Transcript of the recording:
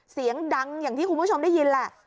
เสียงดังอย่างที่คุณผู้ชมได้ยินแหละ